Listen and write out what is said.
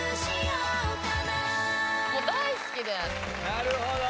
なるほど。